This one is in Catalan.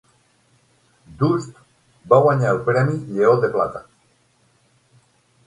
"Dust" va guanyar el premi Lleó de Plata.